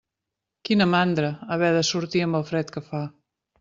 Quina mandra, haver de sortir amb el fred que fa.